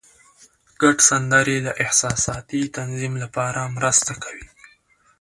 ګډ سندرې د احساساتي تنظیم لپاره مرسته کوي.